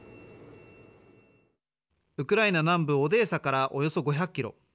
ウクライナ南部オデーサからおよそ５００キロ。